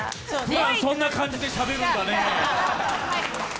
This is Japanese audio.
普段そんな感じでしゃべるんだね